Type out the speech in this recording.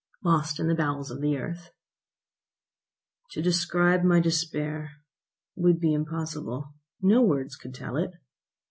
LOST IN THE BOWELS OF THE EARTH To describe my despair would be impossible. No words could tell it.